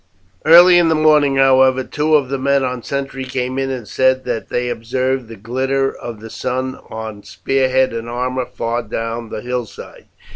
Early in the morning, however, two of the men on sentry came in and said that they observed the glitter of the sun on spearhead and armour far down the hillside.